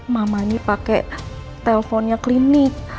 mama ini pake teleponnya klinik